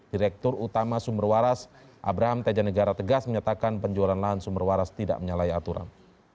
direktur utama sumber waras abraham teja negara tegas menyatakan penjualan lahan sumber waras tidak menyalahi aturan